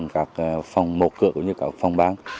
các phòng một cửa cũng như các phòng bán